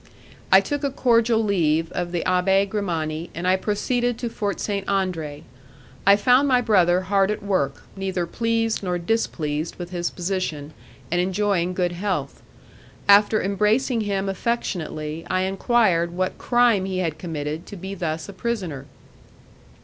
I took a cordial leave of the Abbé Grimani, and I proceeded to Fort Saint Andre. I found my brother hard at work, neither pleased nor displeased with his position, and enjoying good health. After embracing him affectionately, I enquired what crime he had committed to be thus a prisoner.